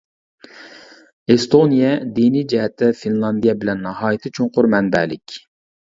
ئېستونىيە، دىنىي جەھەتتە فىنلاندىيە بىلەن ناھايىتى چوڭقۇر مەنبەلىك.